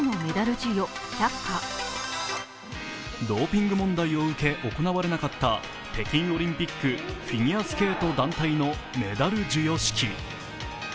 ドーピング問題を受け行われなかった北京オリンピックフィギュアスケート団体のメダル授与式。